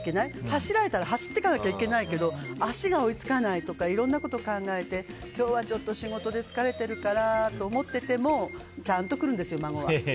走られたら走っていかなきゃいけないけど足が追い付かないとかいろんなことを考えて今日はちょっと仕事で疲れてるからと思っていてもちゃんと来るんです、孫は。